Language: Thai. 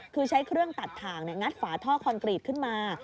คือใช้เครื่องตัดถ่างงัดฝาท่อคอนกรีตขึ้นมา